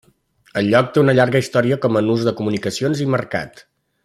El lloc té una llarga història com a nus de comunicacions i mercat.